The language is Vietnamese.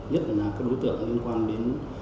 nhất là các đối tượng liên quan đến